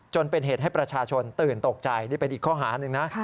จนเป็นเหตุให้ประชาชนตื่นตกใจนี่เป็นอีกข้อหาหนึ่งนะ